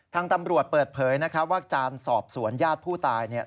ทางตำรวจเปิดเผยนะครับว่าการสอบสวนญาติผู้ตายเนี่ย